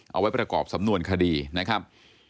เอาไว้ประกอบสำนวนคดีนะครับ